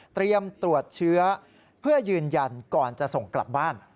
ตรวจเชื้อเพื่อยืนยันก่อนจะส่งกลับบ้าน